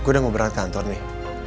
aku udah mau berangkat kantor nih